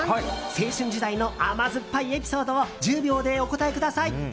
青春時代の甘酸っぱいエピソードを１０秒でお答えください。